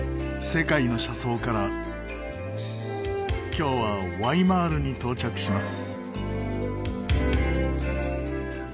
今日はワイマールに到着します。